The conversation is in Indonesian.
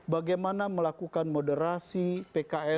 bagaimana melakukan moderasi pks